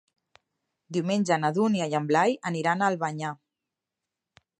Diumenge na Dúnia i en Blai aniran a Albanyà.